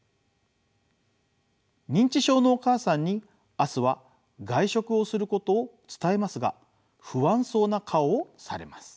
認知症のお母さんに明日は外食をすることを伝えますが不安そうな顔をされます。